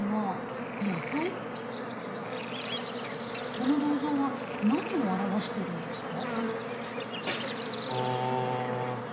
この銅像は何を表してるんですか？